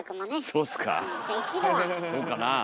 そうかなあ？